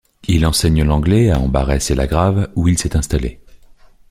Il enseigne l'anglais à Ambarès-et-Lagrave où il s'est installé.